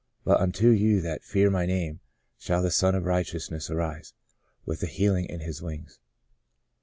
" But unto you that fear My name shall the Sun of righteousness arise, with healing in His wings.'